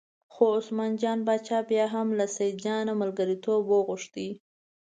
خو عثمان جان باچا بیا هم له سیدجان نه ملګرتوب وغوښت.